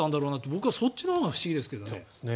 僕はそっちのほうが不思議ですけどね。